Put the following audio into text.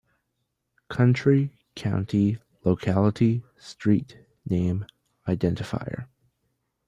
"Country - County - Locality - Street - Name - Identifier".